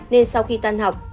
nên sau khi tan học